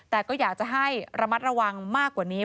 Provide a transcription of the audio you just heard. แต่ก็อยากจะให้ระมัดระวังมากกว่านี้